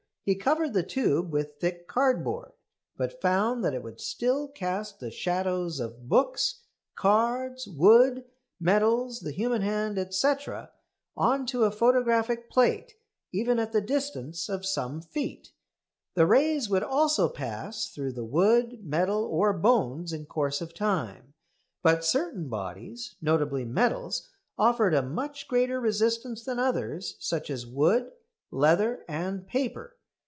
He covered the tube with thick cardboard, but found that it would still cast the shadows of books, cards, wood, metals, the human hand, &c., on to a photographic plate even at the distance of some feet. The rays would also pass through the wood, metal, or bones in course of time; but certain bodies, notably metals, offered a much greater resistance than others, such as wood, leather, and paper.